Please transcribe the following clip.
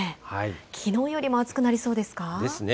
きのうよりも暑くなりそうでですね。